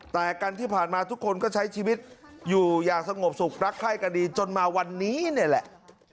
แต่กันที่ผ่านมาทุกคนก็ใช้ชีวิตอยู่อย่างสงบสุขรักไข้กันดีจนมาวันนี้นี่แหละ